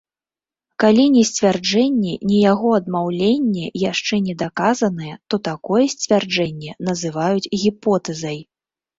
Калі ні сцвярджэнне, ні яго адмаўленне яшчэ не даказаныя, то такое сцвярджэнне называюць гіпотэзай.